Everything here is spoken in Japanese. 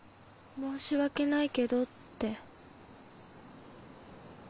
「申し訳ないけど」って。